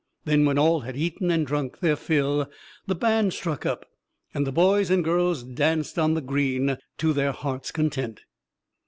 Then when all had eaten and drunk their fill, the band struck up, and the boys and girls danced on the green to their hearts' content.